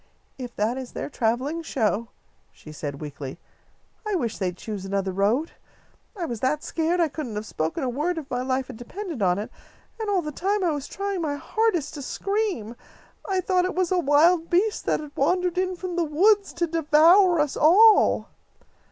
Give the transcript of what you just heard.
"If that is their travelling show," she said, weakly, "I wish they'd choose another road. I was that scared I couldn't have spoken a word if my life had depended on it; and all the time I was trying my hardest to scream. I thought it was a wild beast that had walked in from the woods to devour us all."